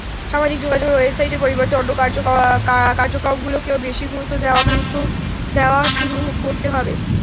সামাজিক যোগাযোগের ওয়েবসাইটের পরিবর্তে অন্য কার্যক্রমগুলোকে বেশি গুরুত্ব দেওয়া শুরু করতে হবে।